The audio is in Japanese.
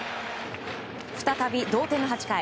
再び同点の８回。